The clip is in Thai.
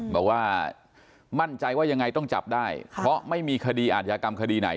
บอกว่ามั่นใจว่ายังไงต้องจับได้เพราะไม่มีคดีอาจยากรรมคดีไหน